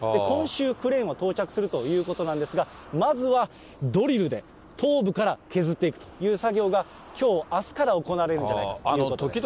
今週、クレーンが到着するということなんですが、まずはドリルで頭部から削っていくという作業が、きょう、あすから行われるんじゃないかということです。